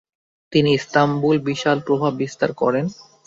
তিনি ইস্তাম্বুল বিশাল প্রভাব বিস্তার করেন।